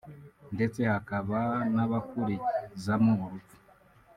ndetse hakaba n’abakurizamo urupfu